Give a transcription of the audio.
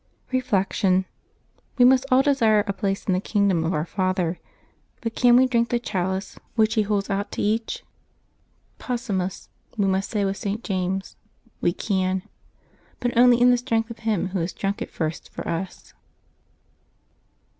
Reflection. — ^We must all desire a place in the kingdom of our Father; but can we drink the chalice which He 263 LIVES OF THE SAINTS [July 27 holds out to each? Possumus, we must say with St. James — "We can" — but only in the strength of Him Who has drunk it first for us.